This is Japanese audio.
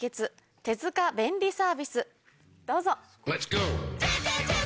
どうぞ。